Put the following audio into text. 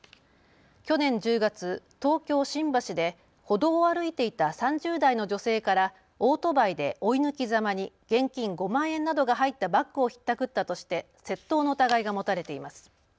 去年１０月、東京、新橋で歩道を歩いていた３０代の女性からオートバイで追い抜きざまに現金５万円などが入ったバッグをひったくったとして窃盗の疑いが持たれています。